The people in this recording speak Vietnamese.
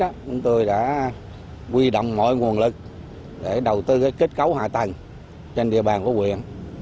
chúng tôi đã quy động mọi nguồn lực để đầu tư kết cấu hạ tầng trên địa bàn của quyện